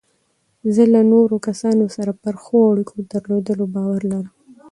زه له نورو کسانو سره پر ښو اړیکو درلودلو باور لرم.